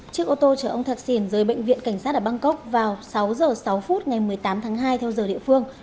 chiếc ô tô chở ông thạc sỉn dưới bệnh viện cảnh sát ở bangkok vào sáu h sáu phút ngày một mươi tám tháng hai